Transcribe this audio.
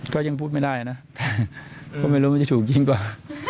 ก็ยังพูดไม่ได้นะเพราะไม่รู้ว่าจะถูกจริงกว่า